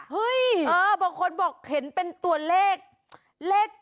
บางคนบอกเห็นเป็นตัวเลขเลข๗